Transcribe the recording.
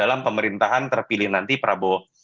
dalam pemerintahan terpilih nanti prabowo